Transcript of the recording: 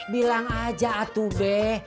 bilang aja atuh deh